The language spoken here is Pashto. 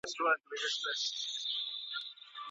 په لوی اختر کي غوښه نه خرابېږي.